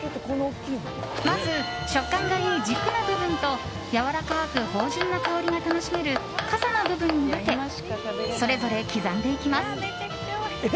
まず食感がいい軸の部分とやわらかく芳醇な香りが楽しめるかさの部分に分けそれぞれ刻んでいきます。